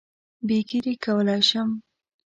بې ږیرې کولای شم.